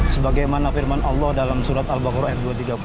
sebagaimana firman allah dalam surat al baqarah ayat dua ratus tiga puluh